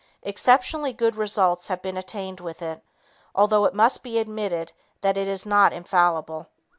Exceptionally good results have been attained with it, although it must be admitted that it is not infallible.